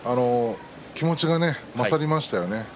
気持ちが勝りましたよね